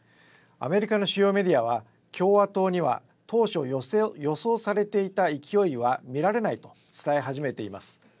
アメリカの主要メディアは共和党には当初、予想されていた勢いは見られないと伝え始めています。